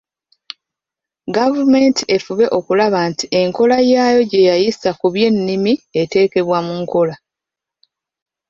Gavumenti efube okulaba nti enkola yaayo gye yayisa ku by'ennimi eteekebwa mu nkola.